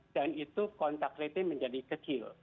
dan itu kontak rating menjadi kecil